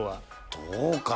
どうかな。